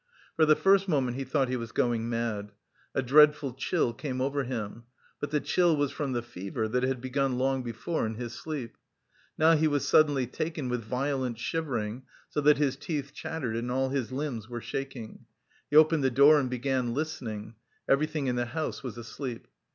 For the first moment he thought he was going mad. A dreadful chill came over him; but the chill was from the fever that had begun long before in his sleep. Now he was suddenly taken with violent shivering, so that his teeth chattered and all his limbs were shaking. He opened the door and began listening everything in the house was asleep.